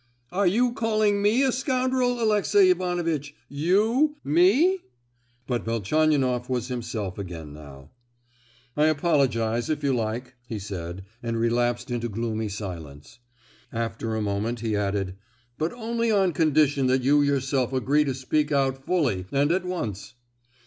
"Are you calling me a scoundrel, Alexey Ivanovitch—you—me?" But Velchaninoff was himself again now. "I'll apologise if you like," he said, and relapsed into gloomy silence. After a moment he added, "But only on condition that you yourself agree to speak out fully, and at once."